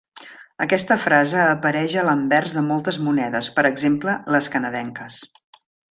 Aquesta frase apareix a l'anvers de moltes monedes, per exemple les canadenques.